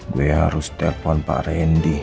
gue harus telpon pak randy